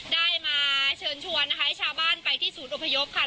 ได้มาเชิญชวนนะคะให้ชาวบ้านไปที่ศูนย์อพยพค่ะ